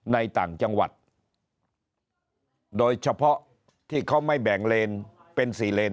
ต่างจังหวัดโดยเฉพาะที่เขาไม่แบ่งเลนเป็นสี่เลน